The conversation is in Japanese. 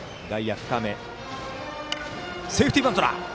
セーフティーバントだ。